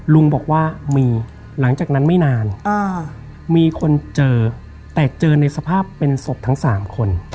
ลุงบอกว่ามีหลังจากนั้นไม่นานมีคนเจอแต่เจอในสภาพเป็นศพทั้ง๓คน